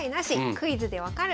「クイズで分かる！